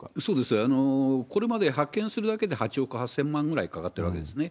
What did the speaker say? これまで発見するだけで８億８０００万ぐらいかかってるわけですね。